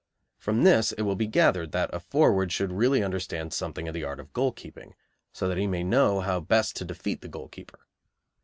From this it will be gathered that a forward should really understand something of the art of goalkeeping, so that he may know how best to defeat the goalkeeper.